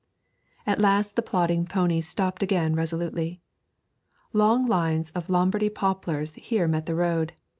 At last the plodding pony stopped again resolutely. Long lines of Lombardy poplars here met the road.